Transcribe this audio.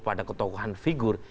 pada ketukuhan figur